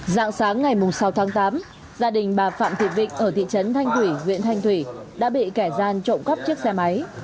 dạng sáng ngày sáu tháng tám gia đình bà phạm thị vịnh ở thị trấn thanh thủy huyện thanh thủy đã bị kẻ gian trộm cắp chiếc xe máy